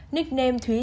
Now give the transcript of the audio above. nickname thúy trang